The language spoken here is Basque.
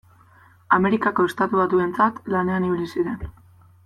Amerikako Estatu Batuentzat lanean ibili ziren.